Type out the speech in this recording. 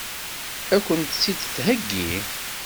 Ad kent-tt-id-theggi?